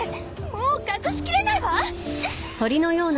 もう隠しきれないわ！